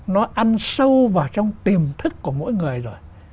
nó ăn sâu vào trong tiềm thức của mỗi người rồi